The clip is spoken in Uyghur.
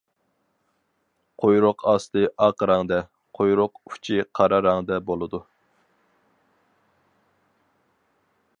قۇيرۇق ئاستى ئاق رەڭدە، قۇيرۇق ئۇچى قارا رەڭدە بولىدۇ.